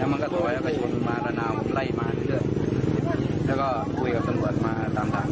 แล้วมันกระโดยกระชุมมาระนาวไล่หมานด้วยแล้วก็คุยกับสมวนมาตามทาง